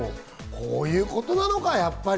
こういうことなのか、やっぱり。